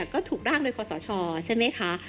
ก็ถูกร่างโดยคอสชใช่ไหมคะ